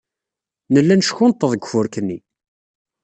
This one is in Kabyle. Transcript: Nella neckunṭeḍ deg ufurk-nni.